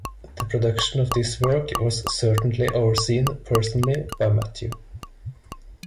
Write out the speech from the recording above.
The production of this work was certainly overseen personally by Matthew.